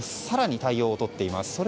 更に対応をとっています。